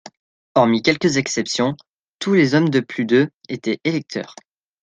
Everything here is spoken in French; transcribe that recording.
Hormis quelques exceptions, tous les hommes de plus de étaient électeurs.